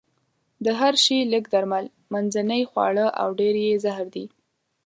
د هر شي لږ درمل، منځنۍ خواړه او ډېر يې زهر دي.